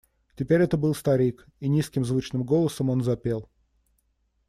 Теперь это был старик, и низким звучным голосом он запел: